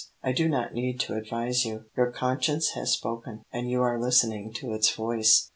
I do not need to advise you. Your conscience has spoken, and you are listening to its voice.